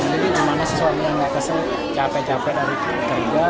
jadi namanya suami yang tidak kesal capek capek dari kerja